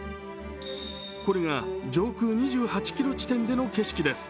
これが上空２８ｋｍ地点での景色です。